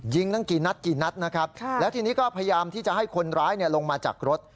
ยิงตั้งกี่นัดแล้วทีนี้ก็พยายามที่จะให้คนร้ายลงมาจากรถ